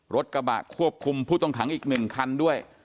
รถกระบะควบคุมผู้ต้องขังอีก๑คันด้วย